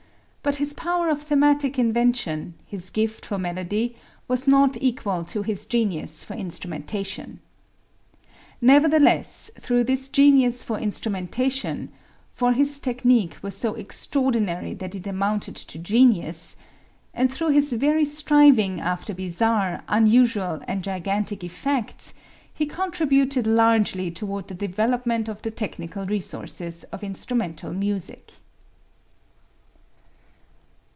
But his power of thematic invention, his gift for melody, was not equal to his genius for instrumentation. Nevertheless, through this genius for instrumentation for his technique was so extraordinary that it amounted to genius and through his very striving after bizarre, unusual and gigantic effects, he contributed largely toward the development of the technical resources of instrumental music.